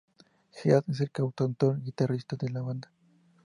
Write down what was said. Heath es el cantautor y guitarrista de la banda.